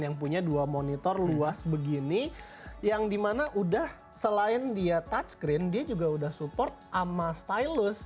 yang punya dua monitor luas begini yang dimana udah selain dia touch screen dia juga udah support sama stylus